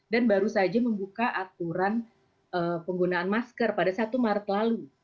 dan baru saja membuka aturan penggunaan masker pada satu maret lalu